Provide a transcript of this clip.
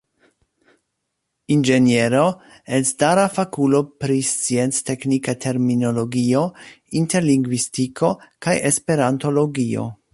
Inĝeniero, elstara fakulo pri scienc-teknika terminologio, interlingvistiko kaj esperantologio.